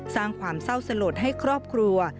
สร้างความเศร้าสลดให้ครอบครัว